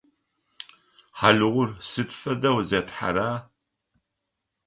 Хьалыгъур сыд фэдэу зетхьэра?